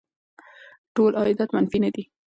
ټول عایدات منفي نه دي.